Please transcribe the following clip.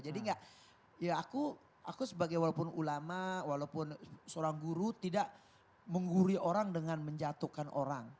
jadi enggak ya aku aku sebagai walaupun ulama walaupun seorang guru tidak mengguri orang dengan menjatuhkan orang